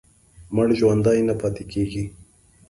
مړ ژوندی نه پاتې کېږي.